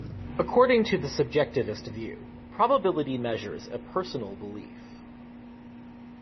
According to the subjectivist view, probability measures a "personal belief".